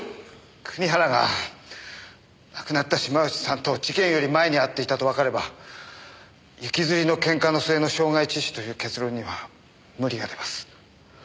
国原が亡くなった島内さんと事件より前に会っていたとわかれば行きずりのケンカの末の傷害致死という結論には無理が出ます。